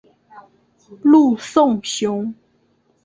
陆颂雄。